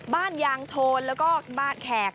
บ้านยางโทนแล้วก็บ้านแขก